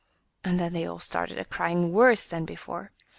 And then they all started a crying worse than before.